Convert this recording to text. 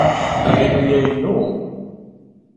Avilu-a inu.